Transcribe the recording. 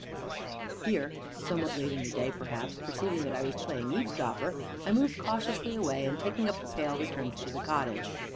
Here (somewhat late in the day, perhaps) perceiving that I was playing eavesdropper, I moved cautiously away, and taking up the pail, returned to the cottage.